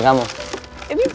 kalau ini buat kamu